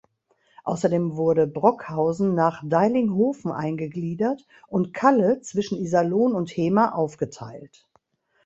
Außerdem wurde Brockhausen nach Deilinghofen eingegliedert und Calle zwischen Iserlohn und Hemer aufgeteilt.